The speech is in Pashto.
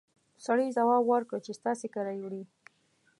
سړي ځواب ورکړ چې ستاسې کره يې وړي!